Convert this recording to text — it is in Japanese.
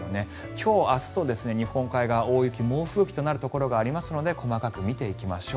今日明日と日本海側は大雪、猛吹雪となる可能性がありますので細かく見ていきましょう。